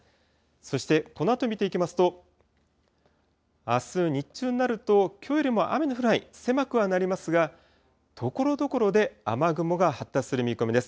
そしてこのあと見ていきますと、あす日中になると、きょうよりも雨の降る範囲、狭くはなりますが、ところどころで雨雲が発達する見込みです。